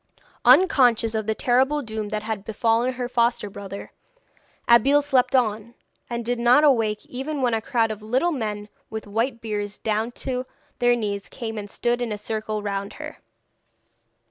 Unconscious of the terrible doom that had befallen her foster brother, Abeille slept on, and did not awake even when a crowd of little men with white beards down to their knees came and stood in a circle round her.